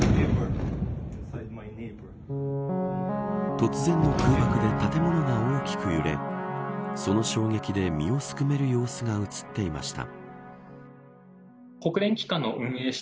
突然の空爆で建物が大きく揺れその衝撃で、身をすくめる様子が映っていました。